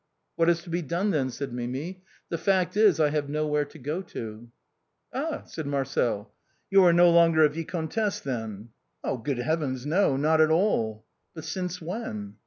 " What is to be done then ?" said Mimi, " the fact is I have nowhere to go to." "Ah !" said Marcel, " you are no longer a viscountess, then?" " Good heavens, no ! not at all." " But since when